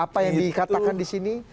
apa yang dikatakan di sini